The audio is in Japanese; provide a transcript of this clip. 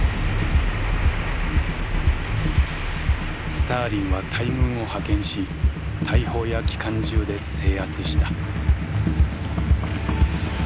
スターリンは大軍を派遣し大砲や機関銃で制圧した。